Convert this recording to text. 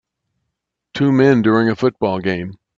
Two men during a football game